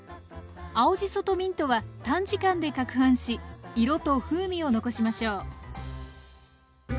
青じそとミントは短時間でかくはんし色と風味を残しましょう。